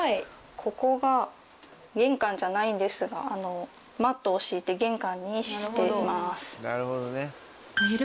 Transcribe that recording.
ここが玄関じゃないんですがマットを敷いて玄関にしてます。